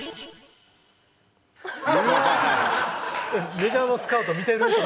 メジャーのスカウト見てるとか。